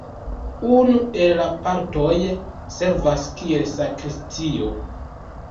Unu el la partoj servas kiel sakristio.